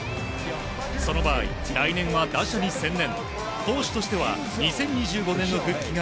その場合、来年は打者に専念。